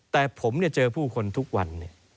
แต่ผมเนี่ยเจอผู้คนทุกวันเนี่ย